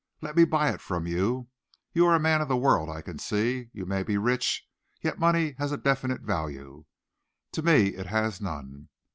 Let me buy it from you. You are a man of the world, I can see. You may be rich, yet money has a definite value. To me it has none.